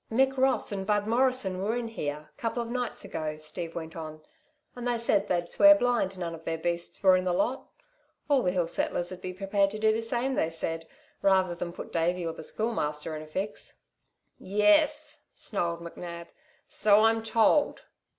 "Mick Ross 'n Bud Morrison were in here, couple of nights ago," Steve went on. "And they said they'd swear blind none of their beasts were in the lot. All the hill settler's 'd be prepared to do the same, they said rather than put Davey or the Schoolmaster in a fix." "Y es," snarled McNab, "so I'm told!"